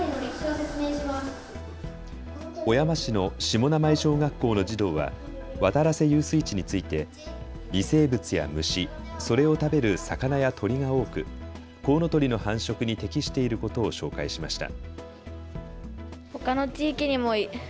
小山市の下生井小学校の児童は渡良瀬遊水地について、微生物や虫、それを食べる魚や鳥が多くコウノトリの繁殖に適していることを紹介しました。